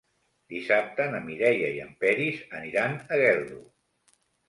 Dissabte na Mireia i en Peris aniran a Geldo.